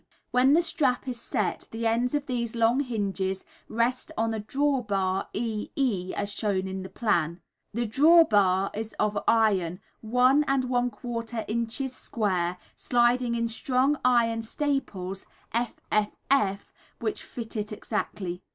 When the trap is set the ends of these long hinges rest on a draw bar E E, as shown in the plan. The draw bar is of iron, 1¼ in. square, sliding in strong iron staples, F F F, which fit it exactly.